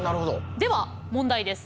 では問題です。